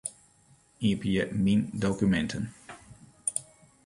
Iepenje Myn dokuminten.